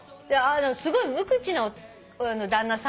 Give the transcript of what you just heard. すごい無口の旦那さんなのね。